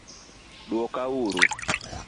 dwoka uru